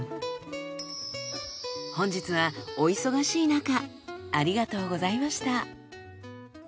本日はお忙しいなかありがとうございました。